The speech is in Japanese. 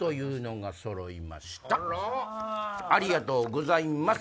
ありがとうございます。